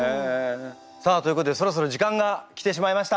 さあということでそろそろ時間が来てしまいました。